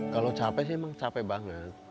kalau capek sih emang capek banget